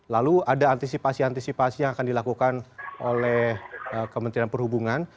lalu ada antisipasi antisipasi yang akan dilakukan oleh kementerian perhubungan